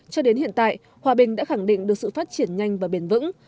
cho đến hiện tại hòa bình đã khẳng định được sự phát triển nhanh và bền vững